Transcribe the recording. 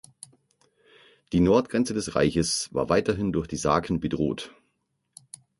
Die Nordgrenze des Reiches war weiterhin durch die Saken bedroht.